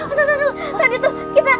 ustaz anwarul tadi tuh kita